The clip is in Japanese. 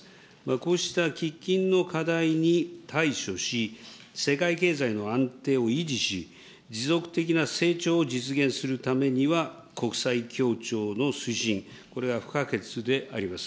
こうした喫緊の課題に対処し、世界経済の安定を維持し、持続的な成長を実現するためには、国際協調の推進、これは不可欠であります。